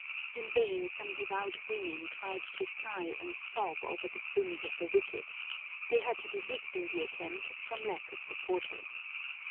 In vain some devout women tried to sigh and sob over the sins of the wicked; they had to desist in the attempt from lack of supporters.